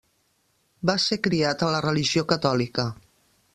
Va ser criat en la religió catòlica.